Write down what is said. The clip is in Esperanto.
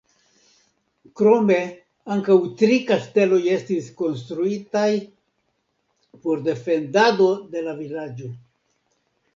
Krome, ankaŭ tri kasteloj estis konstruitaj por defendado de la vilaĝo.